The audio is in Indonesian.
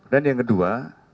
dan yang kedua